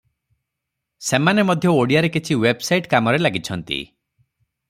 ସେମାନେ ମଧ୍ୟ ଓଡ଼ିଆରେ କିଛି ୱେବସାଇଟ କାମରେ ଲାଗିଛନ୍ତି ।